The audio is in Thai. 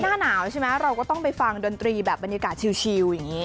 หน้าหนาวใช่ไหมเราก็ต้องไปฟังดนตรีแบบบรรยากาศชิลอย่างนี้